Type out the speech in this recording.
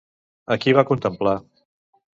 A qui va contemplar?